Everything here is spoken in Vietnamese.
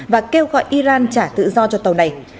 và kêu gọi iran trả tự do cho tàu này